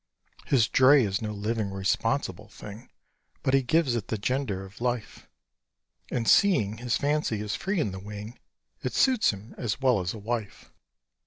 His dray is no living, responsible thing, But he gives it the gender of life; And, seeing his fancy is free in the wing, It suits him as well as a wife.